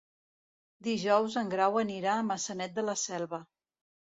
Dijous en Grau anirà a Maçanet de la Selva.